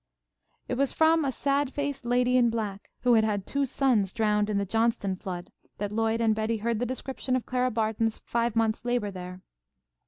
It was from a sad faced lady in black, who had had two sons drowned in the Johnstown flood, that Lloyd and Betty heard the description of Clara Barton's five months' labour there.